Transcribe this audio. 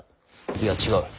いや違う。